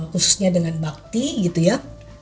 khususnya dengan bakti gitu ya